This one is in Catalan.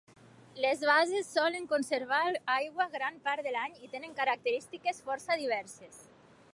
Les basses solen conservar aigua gran part de l'any i tenen característiques força diverses.